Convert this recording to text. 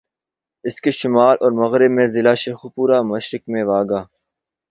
اسکے شمال اور مغرب میں ضلع شیخوپورہ، مشرق میں واہگہ